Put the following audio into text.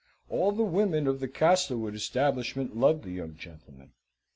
All the women of the Castlewood establishment loved the young gentleman.